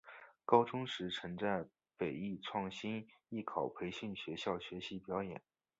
高中时曾在北艺创星艺考培训学校学习表演。